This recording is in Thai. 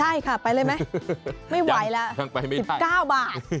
ใช่ค่ะไปเลยมั้ยไม่ไหวละ๑๙บาท